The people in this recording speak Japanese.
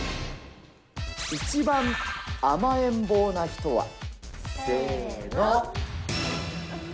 一番甘えん坊な人は？せーの。